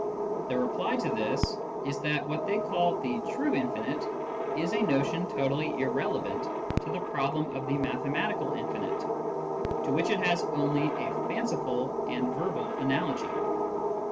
The reply to this is that what they call the " true " infinite is a notion totally irrelevant to the problem of the mathematical infinite, to which it has only a fanci ful and verbal analogy.